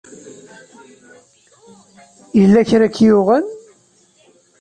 Yella kra ay k-yuɣen?